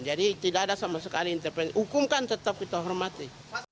jadi tidak ada sama sekali intervensi hukum kan tetap kita hormati